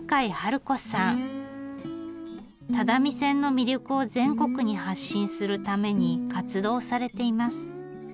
只見線の魅力を全国に発信するために活動をされています。